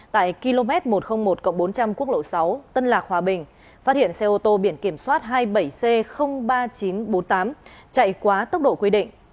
tại km một trăm linh một bốn trăm linh quốc lộ sáu tân lạc hòa bình phát hiện xe ô tô biển kiểm soát hai mươi bảy c ba nghìn chín trăm bốn mươi tám chạy quá tốc độ quy định